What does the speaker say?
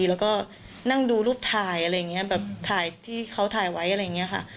แล้วก็นั่งดูรูปถ่ายอะไรอย่างนี้แบบถ่ายที่เขาถ่ายไว้อะไรอย่างนี้ค่ะ